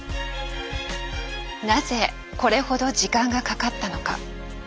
なぜこれほど時間がかかったのか。